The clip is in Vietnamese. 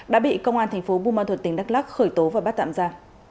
đã bị công an tp bunma thuật tỉnh đắk lắc khởi tố và bắt tạm ra